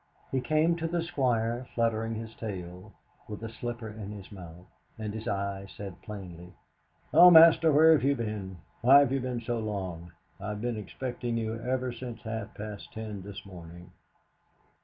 He came to the Squire fluttering his tail, with a slipper in his mouth, and his eye said plainly: 'Oh, master, where have you been? Why have you been so long? I have been expecting you ever since half past ten this morning!'